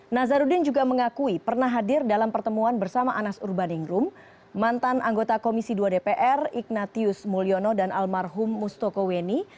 nazarudin juga mengakui pernah hadir dalam pertemuan bersama anas urbaningrum mantan anggota komisi dua dpr ignatius mulyono dan almarhum mustoko weni